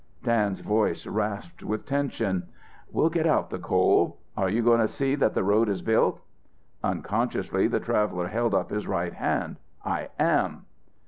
Dan's voice rasped with tension. "We'll get out the coal. Are you going to see that the road is built?" Unconsciously the traveller held up his right hand. "I am!"